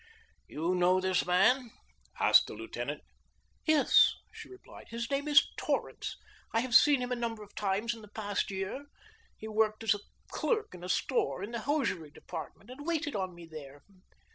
"You know this man?" asked the lieutenant. "Yes," she replied. "His name is Torrance. I have seen him a number of times in the past year. He worked as a clerk in a store, in the hosiery department, and waited on me there.